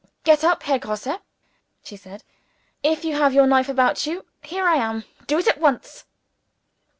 "Get up, Herr Grosse," she said. "If you have your knife about you, here am I do it at once!"